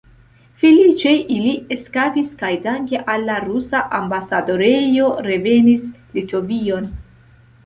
Feliĉe ili eskapis kaj danke al la rusa ambasadorejo revenis Litovion.